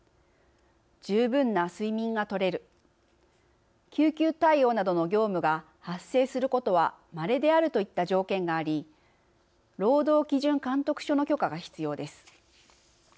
十分な睡眠が取れる救急対応などの業務が発生することはまれであるといった条件があり労働基準監督署の許可が必要です。